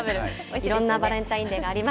いろんなバレンタインデーがあります。